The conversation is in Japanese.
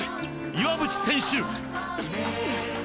岩渕選手！